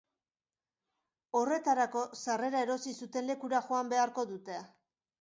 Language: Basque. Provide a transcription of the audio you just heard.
Horretarako, sarrera erosi zuten lekura joan beharko dute.